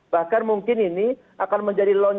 bahkan mungkin ini akan menjadi lonjakan